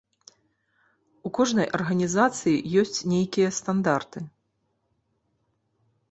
У кожнай арганізацыі ёсць нейкія стандарты.